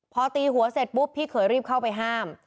พอตีหัวเสร็จปุ๊บพี่เขยรีบเข้าไปห้าม